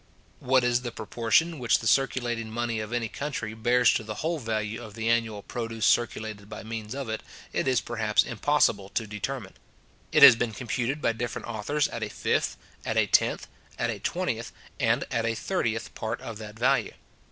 What is the proportion which the circulating money of any country bears to the whole value of the annual produce circulated by means of it, it is perhaps impossible to determine. It has been computed by different authors at a fifth, at a tenth, at a twentieth, and at a thirtieth, part of that value.